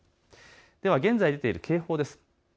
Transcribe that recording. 現在出ている警報です。